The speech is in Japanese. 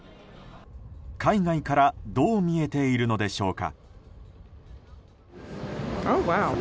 海外からどう見えているのでしょうか。